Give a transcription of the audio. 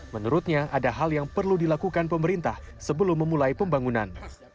menurutnya ada hal yang perlu dilakukan pemerintah sebelum memulai pembangunan